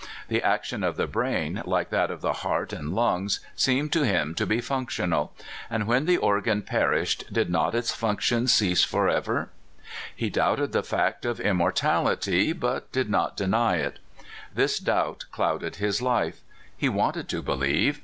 The action of the brain, like that of the heart and lungs, seemed to him to be functional; and when the organ perished did not its function cease for ever? He doubted the fact of immortality, but did not deny it. This doubt clouded his life. He wanted to believe.